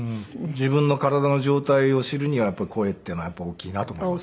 自分の体の状態を知るにはやっぱり声っていうのは大きいなと思います。